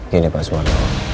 gini pak suman